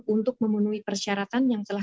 untuk memenuhi persyaratan yang telah